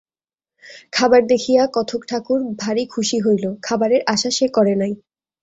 খাবার দেখিয়া কথকঠাকুর ভারি খুশি হইল-খাবারের আশা সে করে নাই।